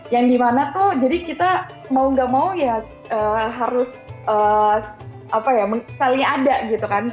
yang dimana tuh jadi kita mau gak mau ya harus saling ada gitu kan